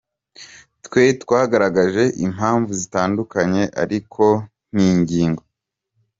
twe twagaragaje impamvu zitandukanye, ariko n’Ingingo